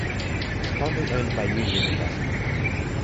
It is currently owned by Union Investment.